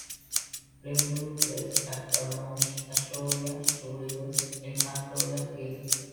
Filming took place at Paramount's Astoria Studios in Astoria, Queens.